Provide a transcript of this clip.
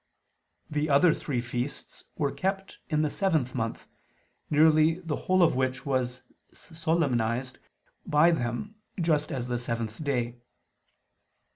The other three feasts were kept in the seventh month, nearly the whole of which was solemnized by them, just as the seventh day.